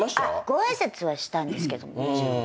ご挨拶はしたんですけどもちろん。